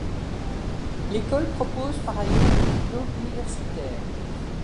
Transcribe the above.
L'école propose par ailleurs des diplômes universitaires.